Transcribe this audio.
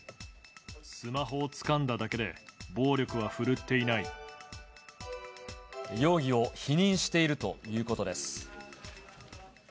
スマホをつかんだだけで、容疑を否認しているということです。